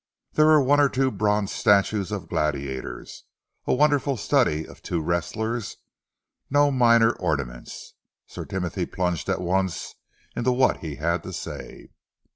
There were one or two bronze statues of gladiators, a wonderful study of two wrestlers, no minor ornaments. Sir Timothy plunged at once into what he had to say.